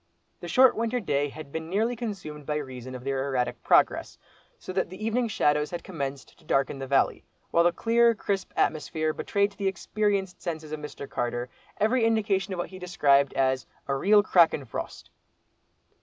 The short winter day had been nearly consumed by reason of their erratic progress; so that the evening shadows had commenced to darken the valley, while the clear, crisp atmosphere betrayed to the experienced senses of Mr. Carter, every indication of what he described as "a real crackin' frost."